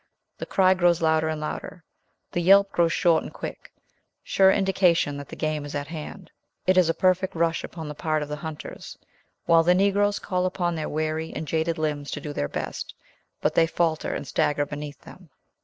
The cry grows louder and louder; the yelp grows short and quick, sure indication that the game is at hand. It is a perfect rush upon the part of the hunters, while the Negroes call upon their weary and jaded limbs to do their best, but they falter and stagger beneath them.